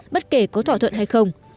bất kể có thỏa thuận hay không